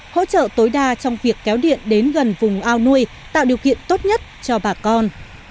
hỗ trợ tối đa trong việc kéo điện đến gần vùng ao nuôi tạo điều kiện tốt nhất cho bà con